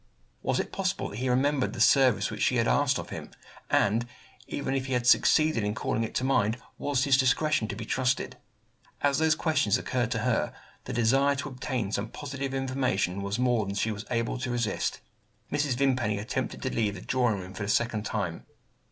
Was it possible that he remembered the service which she had asked of him; and, even if he had succeeded in calling it to mind, was his discretion to be trusted? As those questions occurred to her, the desire to obtain some positive information was more than she was able to resist. Mrs. Vimpany attempted to leave the drawing room for the second time.